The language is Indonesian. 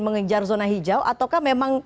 mengejar zona hijau ataukah memang